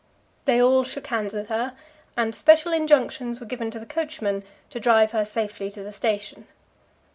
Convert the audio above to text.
They all shook hands with her, and special injunctions were given to the coachman to drive her safely to the station.